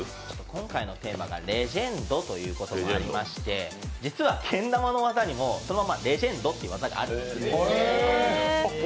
今回のテーマがレジェンドということで、実はけん玉の技にも、そのままレジェンドって技があるんです。